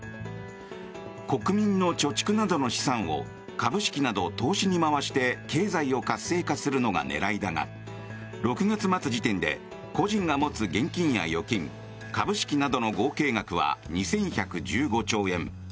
国民の貯蓄などの資産を株式など投資に回して経済を活性化するのが狙いだが６月末時点で個人が持つ現金や預金、株式などの合計額は２１１５兆円。